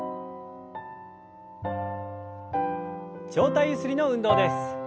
上体ゆすりの運動です。